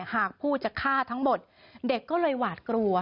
หากผู้จะฆ่าทั้งหมดเด็กก็เลยหวาดกลัว